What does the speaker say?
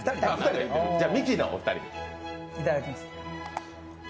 いただきます。